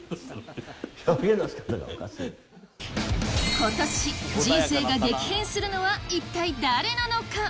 ことし、人生が激変するのは一体誰なのか！？